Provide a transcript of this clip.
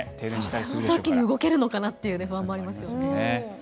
そのときに動けるのかなっていう不安もありますよね。